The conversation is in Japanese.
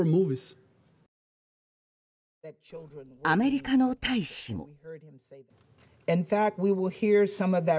アメリカの大使も。